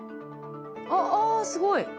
あっあすごい。